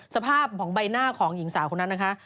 สภาพของใบหน้าของหญิงสาวคนนั้นนะคะ